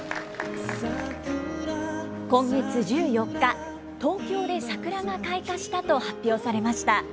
今月１４日、東京で桜が開花したと発表されました。